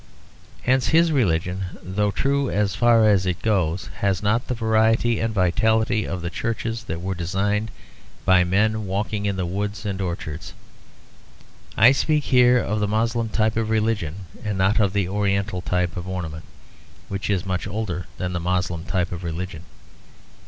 Hence his religion, though true as far as it goes, has not the variety and vitality of the churches that were designed by men walking in the woods and orchards. I speak here of the Moslem type of religion and not of the oriental type of ornament, which is much older than the Moslem type of religion.